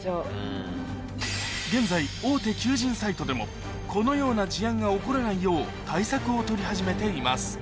現在大手求人サイトでもこのような事案が起こらないよう対策を取り始めています